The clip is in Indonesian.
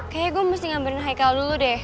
kayaknya gue mesti ngambil haikal dulu deh